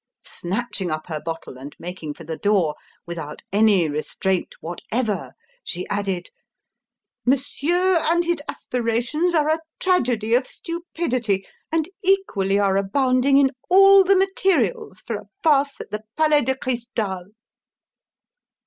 Snatching up her bottle and making for the door, without any restraint whatever she added: "Monsieur and his aspirations are a tragedy of stupidity and equally are abounding in all the materials for a farce at the Palais de Cristal!"